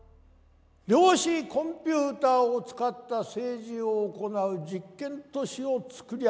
量子コンピューターを使った政治を行う実験都市を作り上げました。